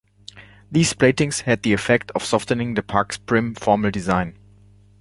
These plantings had the effect of softening the parks' prim formal design.